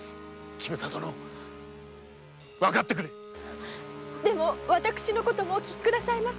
わかってくれでも私のこともお聞きくださいませ。